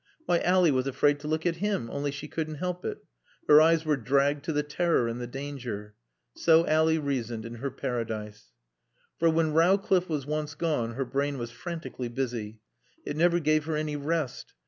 Why, Ally was afraid to look at him, only she couldn't help it. Her eyes were dragged to the terror and the danger. So Ally reasoned in her Paradise. For when Rowcliffe was once gone her brain was frantically busy. It never gave her any rest.